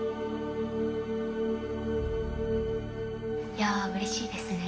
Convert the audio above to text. いやうれしいですね。